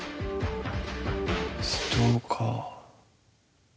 ストーカー。